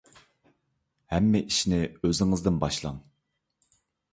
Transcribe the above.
ھەممە ئىشنى ئۆزىڭىزدىن باشلاڭ.